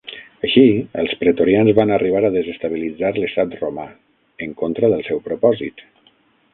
Així, els pretorians van arribar a desestabilitzar l'estat romà, en contra del seu propòsit.